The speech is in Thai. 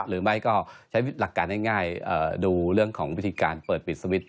หรือไม่ก็ใช้หลักการง่ายดูเรื่องของวิธีการเปิดปิดสวิตช